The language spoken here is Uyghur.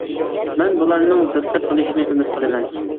مەن بۇلارنىڭ دىققەت قىلىشىنى ئۈمىد قىلىمەن.